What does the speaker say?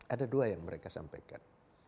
ada dua yang mereka sampaikan